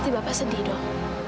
tapi bapak sedih dong